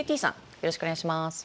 よろしくお願いします。